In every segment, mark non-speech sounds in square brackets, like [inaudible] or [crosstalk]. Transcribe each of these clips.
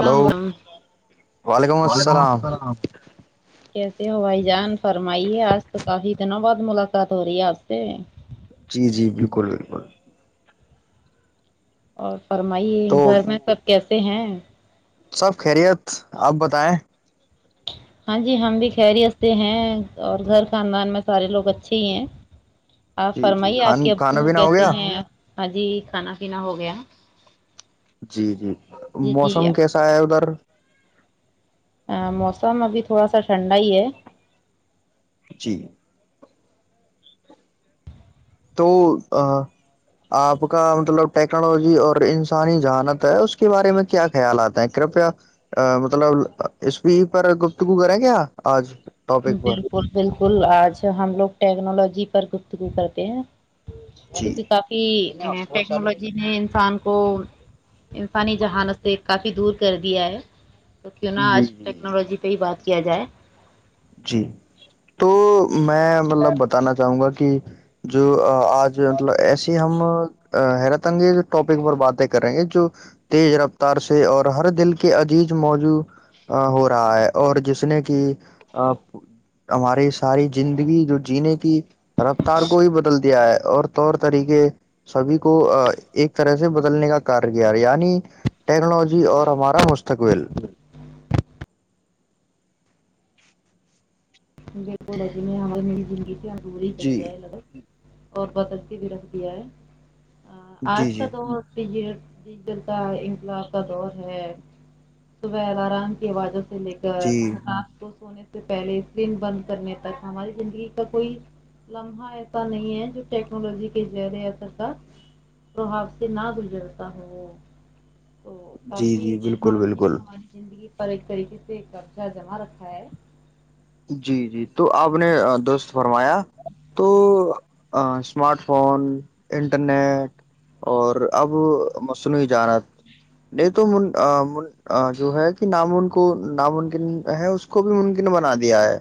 ل وعلیکم السلام کیسے ہوائی جہان فرمائی ہے آج تو کافی دنوں بعد ملاقات ہو رہی ہے آپ سے جی جی بالکل بالکل اورچھ فرمائیے تو گھر میں سب کیسے ہیں سب خیریت آپ بتائیں ہاں جی ہم بھی خیریستتے ہیں اور گھر خاندان میں سارے لوگ اچھے ہی ہیں آپ جی جی فرمائیے آپ کے کھان کھانا ابو پینا ہو کیسے گیا ہیں ہاں جی کھانا پیا ہو گیا جی جی جی جی موسم کیسا ہے ادھر ہ موسم ابھی تھوڑا سا ٹھنڈا ہی ہے جٹییک ہے تو آپ کا مطلب ٹیکنالوجی اور انسانی جہانت ہے اس کے بارے میں کیا خیال آتا ہیں کرپیا مطلب اسپی پر گپتگو کریں کیا آج ٹاپک پر بالکل بالکل آ اچھا ہم لوگ ٹیکنالوجی پر گفتگو کرتے ہیں جی کیونکہ کافی ٹیکنالوجی نے انسان کو انسانی جہانت سے کافی دور کر دیا ہے تو کیوں نہا آج جی جی ٹیکنالوجی پہ ہی بات کیا جائے جی تو میں مطلب بتانا چاہوں گا کہ جو آج مطلب ایسی ہم حیرت انگیز ٹاپک پر باتیں کریں گے جو تیز رفتار سے اور ہر دل کے عجیز موجو ہو رہا ہے اور جس نے کہ آ ہماری ساری زندگی جو جینے کی رفتار کو ہی بدل دیا ہے اور طور طریقے سبھی کو ایک طرح سے بدلنے کا کار کیا ہے یعنی ٹیکنالوجی اور ہمارا مستقبل میرے کو رز میں حال میری زندگی دوری جی کریا یہ لگ اور بدلتی بھی رکھ دیا ہے ہ آج جی تو جی تو ڈیجیٹل کا انقلاب کا دور ہے صبح الرام کی حوازت سے سے لے کر جی آپ کو سونے تو پہلے اسرین بند کرنے تک ہماری زندگی کا کوئی لمحہ ایسا نہیں ہے جو ٹیکنالوجی کے زہر اثر کا پرب سے نہ گزرتا ہو تو جی کافی جی بالکل ٹیکنالوجی نے بالکل ہماری زندگی پر ایک طریقے سے قبضہ جمع رکھا ہے جی جی تو آپ نے دوست فرمایا تو اسمارٹ فون انٹرنیٹ اور اب مصنوعی ججانت نے تو جو ہے کہ نامن کو ناممکن ہے اس کو بھی ممکن بنا دیا دیا ہے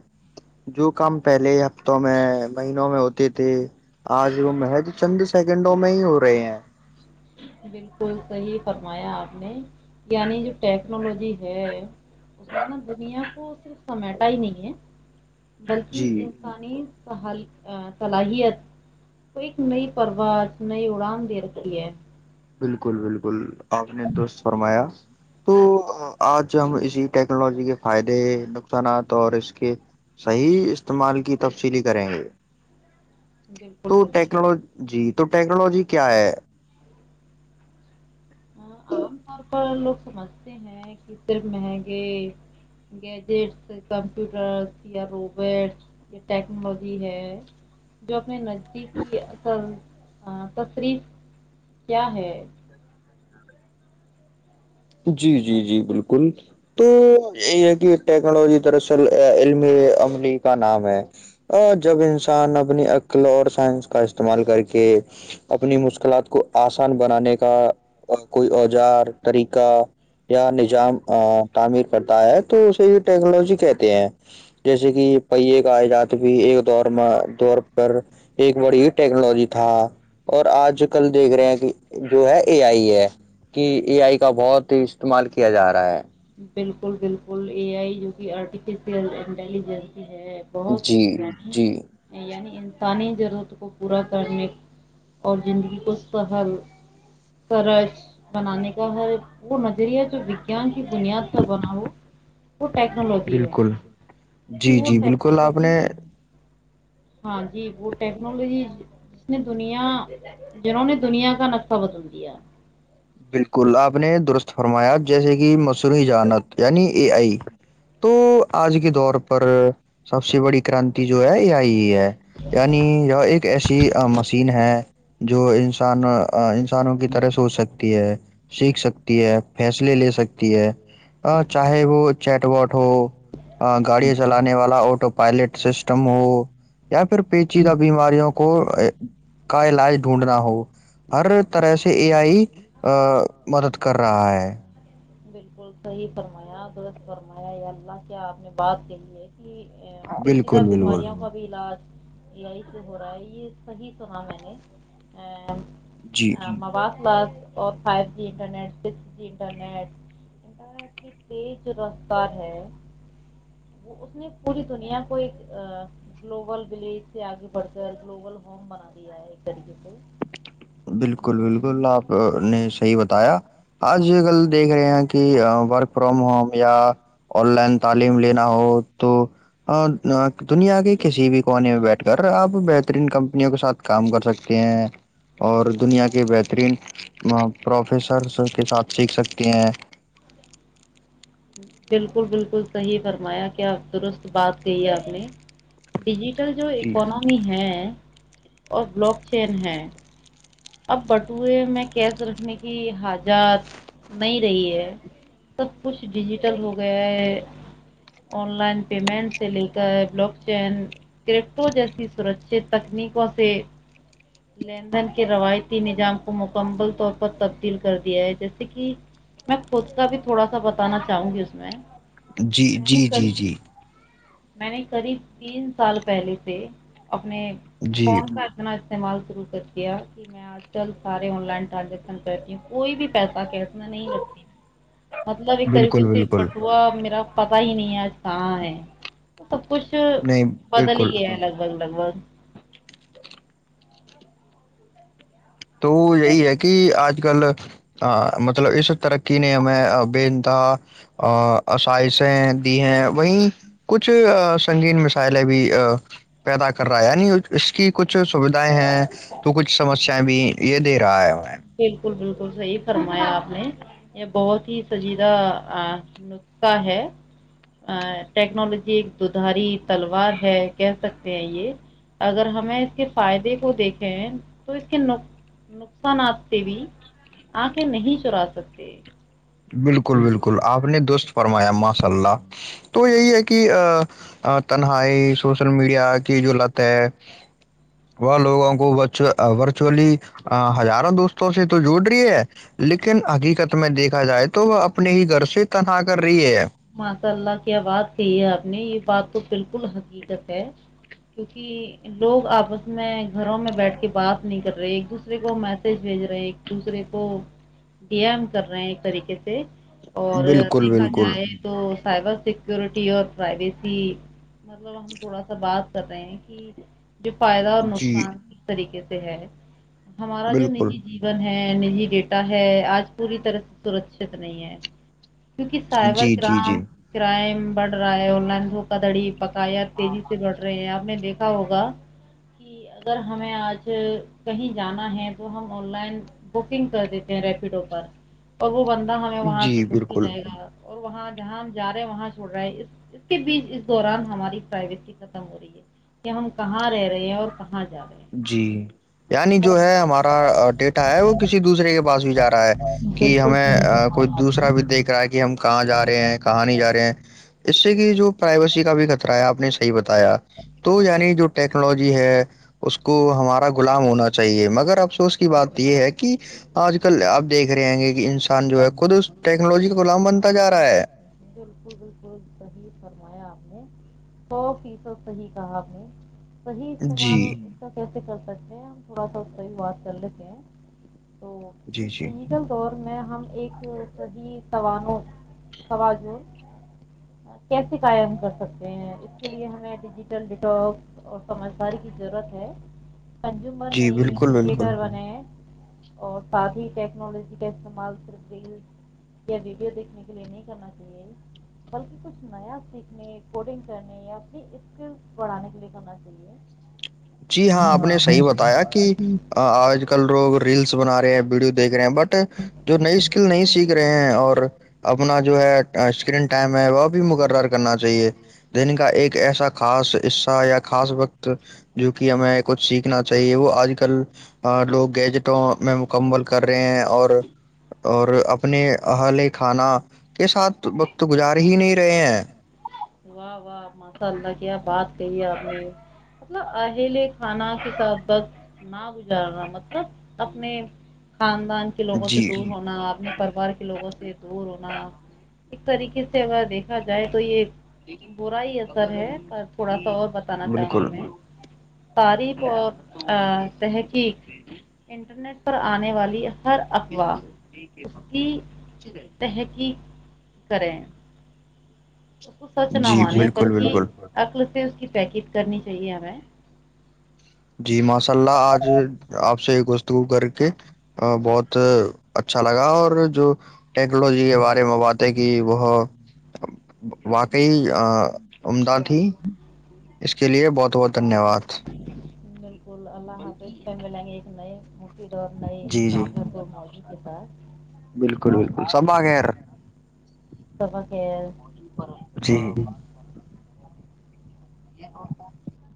جو کام پہلے ہفتوں میں مہینوں میں ہوتی تھی آج وہ محج چند سیکنڈوں میں ہی ہو رہے ہیں بالکل صحیح فرمایا آپ نے یعنی جو ٹیکنالوجی ہے اس نے نا دنیا کو صرف سمیٹا ہی نہیں ہے بلکہ جی انسانی صلاحیت کو ایک نئی پرواز نئی اڑان دے رکھی ہے بالکل بالکل آپ نے دست فرمایا تو آج ہم اسی ٹیکنالوجی کے فائدے نقصانات اور اس کے صحیح استعمال کی تفصیلی کریں گے بالکل تو بالکل ٹیکنالو جی تو ٹیکنالوجی کیا ہے ہاں آام طور پر لوگ سمجھتے ہیں کہ صرف مہنگے گیجٹس کمپیوٹرس یا روبٹس یہ ٹیکنالوجی ہے جو اس میں نزدیک کی اصل تصریف کیا ہے جی جی جی بالکل تو یہ ہے کہ ٹیکنالوجی دراصل علم عملی کا نام ہے جب انسان اپنی عقل اور سائنس کا استعمال کر کے اپنی مشکلات کو آسان بنانے کا کوئی اوزار طریقہ یا نظام تعمیر کرتا ہے تو اسے یہ ٹیکنالوجی کہتے ہیں جیسے کہ پہیے کاجات بھی ایک دور پر ایک بڑی ٹیکنالوجی تھا اور آج کل دیکھ رہے ہیں کہ جو ہے اے آئی ہے کہ اے آئی کا بہت ہی استعمال کیا جا رہا ہے بالکل بالکل اے آئی جو کہ آرٹیفیشیل انٹیلیجنس ہے بہت جی جی انی یعنی انسانی ضرورت کو پورا کرنے اور زندگی کو سہل سرج بنانے کا ہر وہ نظریہ جو وگیان بنیاد سے بناؤ وہ ٹیکنالوجی بالکل ہے جی وہ جی بالکل آپ ٹیکنالوجی نے ہاں جی وہ ٹیکنالوجی جس نے دنیا جنہوں نے دنیا کا نقفہ بدل دیا بالکل آپ نے درست فرمایا جیسے کہ مصروحی جانت یعنی اے آئی تو آج کے دور پر سب سے بڑی کرانتی جو ہے اے آئی ہے نی ایک ایس مشین ہے جو انسان ان انوں کی طرح ہو سک ہے سیکھ سکتی ہے فیصلے لے سکتی ہے چاہے وہ چیٹ واٹ ہو گاڑیاں چلانے والا آٹو پائلٹ سسٹم ہو یا پھر پیچیدہ بیماریوں کو کا علاج ڈھونڈنا ہو ہر طرح سے ا آئی مدد کر رہا ہے بالکل صحیح فرمایا درست فرمایا ہے اللہ کیا آپ نے بات کہی ہے کہ پیتی ت بالکل بالکل بیماریا کا بھی علاج یہی سے ہو رہا ہے یہ صحی سنا میں نے جی ا بابا بس اور five G internet six G internet internet کی تیز جو رفتار ہے وہ اس نے پوری دنیا کو ایک گلوبل ولیج سے آگے بڑھ کر گلوبل ہوم بنا دیا ہے ایک طریقے سے بالکل بالکل آپ نے صحیح بتایا آج کل دیکھ رہے ہیں کہ ورک فرام ہوم یا آن لائن تعلیم لینا ہو تو دنیا کسی بھی کونے میں بیٹھ کر آپ بہترین کمپنیوں کے سات کام کر سکتے ہیں دنیا کے بہترین پروفیسرس کے ساتھ سیکھ سکتے ہیں بالکل بالکل صحیح فرمایا کیا درست بات کہ ہے آپ نے ڈ جی جو اکنمی ہے اور بلاک چین ہیں اب بٹوئے میں کیش رکھنے کی حجات نہیں رہی ہے سب کچھ ڈیجیٹل ہو گیا ہے آن لائن پیمنٹ سے لے کر بلک چین کرپٹو جیسی سرکچت تکنیکوں سے لیندن کے روایتی نظام کو مکمل طور پر تبدیل کر دیا ہے جیسے کہ میں خود کا بھی تھوڑا سا بتانا چاہوں گی اس میں جی میں جی نے جی قریب جی میں نے قریب تین سال پہلے سے اپنے جی کون کردنا استعمال شروع کر دیا کہ میں آج کل سارے آن لائن ٹرانزیکشن کرتی ہوں کوئی بھی پیسہ کیس میں نہیں رکھتی مطلب ایک بالکل طریقے سے بالکل بٹوا میرا پتا ہی نہیں ہے آج کہاں ہے سب کچھ نہیں بدل ہی بالکل گیا ہے لگ بھگ لگ تو یہی ہے کہ آج کل ا مطلب اس ترقی نے ہمیں بے انتہا آائشیں دی ہیں وہیں کچھ سنگین مسائلیں بھی پیدا کر رہا ہے یعنی اس کی کچھ سوھائیں ہیں تو کچھ سمسیایں بھی یہ دے رہا ہے ہمیں بالکل بالکل صحیح فرمایا یہ بہت ہی سجیدہ نکخہ ہے ٹیکنالوجی ایک ددھاری تلوار ہے کہہ سکتے ہیں یہ اگر ہمیں اس کے فائدے کو دیکھے تو اس کے نقصانات بھی آنکھیں نہیں چرا سکتے بالکل بالکل آپ نے دوست فرمایا ماںس چلہ تو یہی ہے کہ ا تنہائی سوشل میڈیا کی جو لت ہے وہ لوگوں کو ورچولی ہزاروں دوستوں سے تو جوڑ رہی ہے لیکن حقیقت میں دیکھ کہا جائے تو وہ اپنے ہی گھر سے تنہا کر رہی ہے ماشاء اللہ کیا بات کہی ہے آپ نے یہ بات تو بالکل حقیقت ہے کیونکہ لوگ آپس میں گھروں میں بیٹھ کے بات نہیں کر رہے ایک دوسرے کو میسج بھیج رہے ایک دوسرے کو ڈم کر رہے ہیں ایک طریقے سے اور بالکل دیکھا بالکل جائے تو سائبر سیکورٹی اور پرائیویسی مطلب ہم تھوڑا سا بات کر رہے ہیں کہ ج پائےد اور جی نقصان کس طریقے سے ہے ہمارا جو بالکل نجی جیون ہے نجی ڈیٹا ہے آج پوری طرح سرکچت نہیں ہے کیونکہ ساحبہ جی جی رام جی ٹائم بڑ رہا ہے آن لائن س کا دڑی پکائییا تیزی سے بڑ رہی ہیں آپ نے دیکھا ہوگا کہ اگر ہمیں آج کہیں جانا ہے تو ہم آن لائن بکنگ کر دیتے ہیں ریپیڈو پر اور وہ بند ہمیں وہاں جی سے لے کے بالکل جائے گا اور وہاں جہاں ہم جا رہے ہیں وہاں چھوڑ رہے ہیں اس کے بیچ اس دوران ہماری پرائیویسی ختم ہو رہی ہے کہ ہم کہاں رہ رہے ہیں اور کہاں جا رہے ہیں جی یعنی تو جو ہے ہمارا ڈیٹا ہے وہ کسی دوسرے کے پاس بھی جا رہا ہے کہ بالکل ہمیں صحیح کوئی فرمایا آپ نے دوسرا بھی دیکھ رہا ہے کہ ہم کہاں جا رہے ہیں کہا نہیں جاے ہیں اس سے کہ جو پرائیویسی کا بھی خطرہ ہے آپ نے صی ب تو یعنی جو ٹیکنالوجی ہے اس کو ہمارا غلام ہونا چاہیے مگر افسوس کی بات یہ ہے کہ آج کل آپ دیکھ رہے ہیں کہ انسان جو ہے ٹیکنالوجی غلام بنتا جا رہا ہے بالکل بالکلح فرمایا سو فیصد صحی کہا آ نے صحی جی استعمال کیسے کر سکتے ہم تھوڑا سا صحیح بات کر لیتے ہیں تو یہ جی جی ڈیجیٹل طور میں ہم ایک صدیح توان توجع کیسے قائم کر سکتے ہیں اس کے لیے ہمیں ڈیجیٹل ڈٹاک اور سمجھداری کی ضرورت ہے کنجومر جی نہیں ہے بالکل بالکل کریٹر بنے ہیں اور ساتھ ہی ٹیکنالوجی کا استعمال صرف ریل یا ویڈیو دیکھنے کے لیے نہیں کرنا چاہیے بلکہ کچھ نیا سیکھنے کوڈنگ کرنے یا اپنی اسکل بڑھانے کے لیے کرنا چاہیے جی ہاں اپ نے صحیح بتایا کہ آج کل لوگ ریلس بنا رہے ہیں ویڈیو دیکھ رہے ہیں بٹ جو نئی اسکل نہیں سیکھ رہے ہیں اور اپنا جو ہے اسکرین ٹائم ہے وہ بھی مقرر کرنا چاہیے دن کا ایک ایسا خاص حصہ یا خاص وقت تو جو کہ ہمیں کچھ سیکھنا چاہیے وہ آج کل لوگ گیجٹوں میں مکمل کر رہے ہیں اور اور اپنے ال کھانا کے ساتھ وقت گزار ہی نہیں رہے ہیں واہ واہ مسا اللہ کیا بات کہی آپ نے مطلب اہیل کھانا کے سبت نہ گزارنا مطلب اپنےان خدان کے لوگوں سے جی دور ہونا اپنے پریوار کے لوگوں سے دور ہونا ایک طریقے سے اگر دیکھا جائے تو یہ برا ہی اثر ہے پر تھوڑا سا اور بتانا چاہوں گی بالکل میں تعریف اور تحقیق انٹرنیٹ پر آنے والی ہر افوا اس کی تحقیق کریں ہیں سچ جی نہوا نے پر بالکل بالکل اکل کی پیکج کرنی چاہیے ہمیں جی ماشاء اللہ آج آپ سے کر کے بہت اچھا لگا اور جو [unintelligible] ٹیکنالوجی کے بارے میں باتیں کہ وہ واقعی امداد پھی [unintelligible] اس کے لیے بہت بہت دھنیہ واد ب اللہ حافظ پ ملائیں گے ایک نئے دو ن ان جی جی چیزوں کو موجوں کے ساتھ بالکل بالکل سب آ خیر سب کیا جی ج [unintelligible]